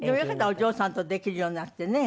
お嬢さんとできるようになってね。